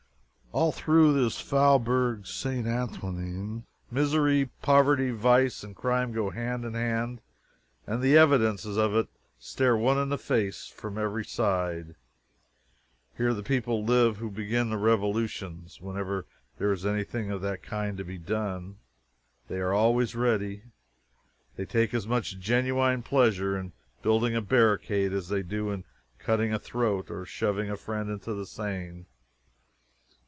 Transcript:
All through this Faubourg St. Antoine, misery, poverty, vice, and crime go hand in hand, and the evidences of it stare one in the face from every side. Here the people live who begin the revolutions. Whenever there is anything of that kind to be done, they are always ready. They take as much genuine pleasure in building a barricade as they do in cutting a throat or shoving a friend into the Seine.